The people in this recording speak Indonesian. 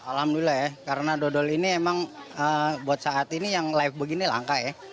alhamdulillah ya karena dodol ini emang buat saat ini yang live begini langka ya